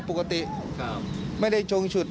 ปกติไม่ได้ชงฉุด